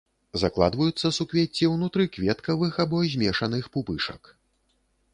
Закладваюцца суквецці ўнутры кветкавых або змешаных пупышак.